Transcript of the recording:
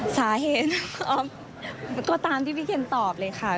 สาเหตุก็ตามที่พี่เคนตอบเลยค่ะ